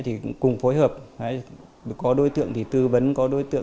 thì cùng phối hợp có đối tượng thì tư vấn